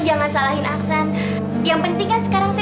apa sih tadi ibu bilang